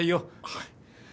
はい。